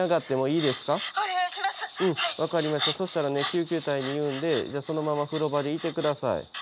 救急隊に言うんでじゃそのまま風呂場でいて下さい。